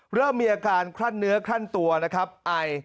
เริ่มมีอาการคลั่นเนื้อคลั่นตัวนะครับไอ